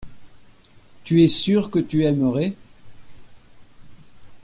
Tu es sûr que tu aimerais.